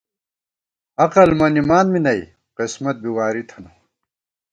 عقل مَنِمان می نئ قسمت بی واری تھنَہ